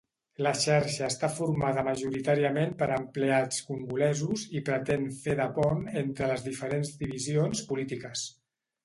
La xarxa està formada majoritàriament per empleats congolesos i pretén fer de pont entre les diferents divisions polítiques.